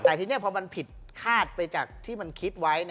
แต่ทีนี้พอมันผิดคาดไปจากที่มันคิดไว้